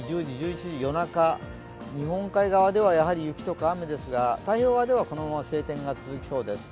日本海側では雪とか雨ですが、太平洋側ではこのまま晴天が続きそうです。